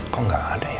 kok nggak ada ya